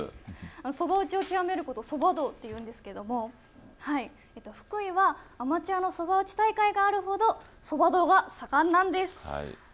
そば打ちを究めることをそば道っていうんですけれども、福井はアマチュアのそば打ち大会があるほど、そば道が盛んなんです。